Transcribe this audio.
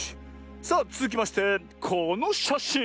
さあつづきましてこのしゃしん。